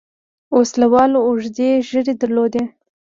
وسله والو اوږدې ږيرې درلودې.